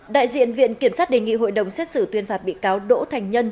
đại diện viện kiểm sát đề nghị hội đồng xét xử tuyên phạt bị cáo đỗ thành nhân